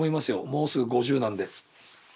もうすぐ５０なんで。